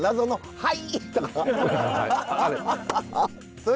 はい！